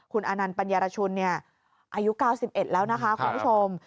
คุณอนันต์ปัญญารชุนอายุ๙๑แล้วนะคะคุณผู้ชม